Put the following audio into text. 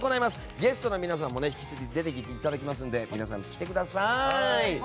ゲストの皆さんも出てきていただきますので皆さん、来てください。